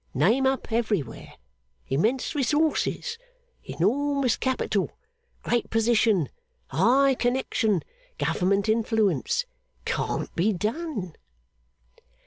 Name up everywhere immense resources enormous capital great position high connection government influence. Can't be done!